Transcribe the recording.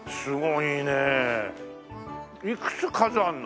いくつ数あるの？